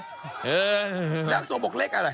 ดังโซโบกเล็กอะไร